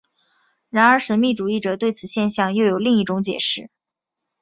然而神秘主义者对此现象又有另一种解释。